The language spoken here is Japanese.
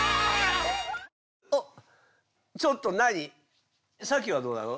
おっちょっと何サキはどうなの？